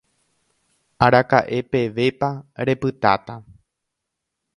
Araka'e pevépa repytáta.